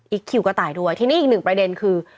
คิวก็ตายด้วยทีนี้อีกหนึ่งประเด็นคือ